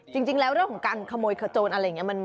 จริงแล้วเรื่องของการขโมยขโจรอะไรอย่างนี้